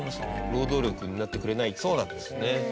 労働力になってくれないという事ですね。